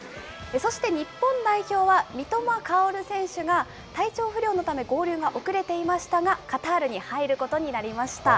そして日本代表は三笘薫選手が、体調不良のため、合流が遅れていましたが、カタールに入ることになりました。